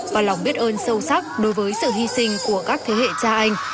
và lòng biết ơn sâu sắc đối với sự hy sinh của các thế hệ cha anh